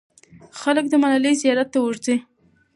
خلک د ملالۍ زیارت ته ورځي.